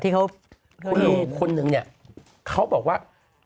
คุณลุงคนหนึ่งเขาบอกว่า